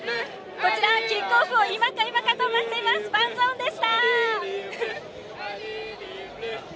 キックオフを今か今かと、待っているファンゾーンでした。